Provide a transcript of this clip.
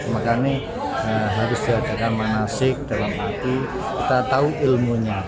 makanya harus diadakan manasik dalam hati kita tahu ilmunya